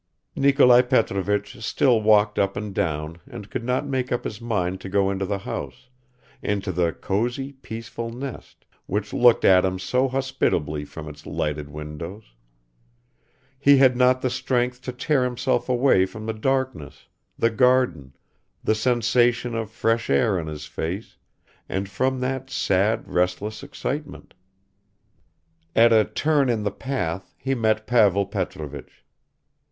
Nikolai Petrovich still walked up and down and could not make up his mind to go into the house, into the cosy peaceful nest, which looked at him so hospitably from its lighted windows; he had not the strength to tear himself away from the darkness, the garden, the sensation of fresh air on his face, and from that sad restless excitement. At a turn in the path he met Pavel Petrovich.